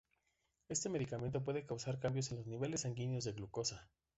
Este medicamento puede causar cambios en los niveles sanguíneos de glucosa.